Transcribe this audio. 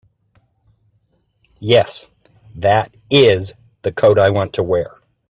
Yes, that IS the coat I want to wear.